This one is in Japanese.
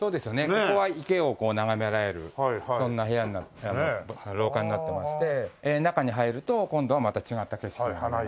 ここは池をこう眺められるそんな部屋廊下になってまして中に入ると今度はまた違った景色が。